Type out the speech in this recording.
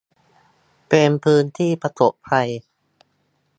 เป็นพื้นที่ประสบภัย